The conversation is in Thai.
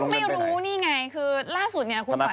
ไม่รู้นี่ไงคือล่าสุดเนี่ยคุณขวัญ